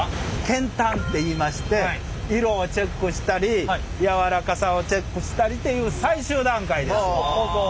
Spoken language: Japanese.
検反っていいまして色をチェックしたりやわらかさをチェックしたりっていう最終段階です。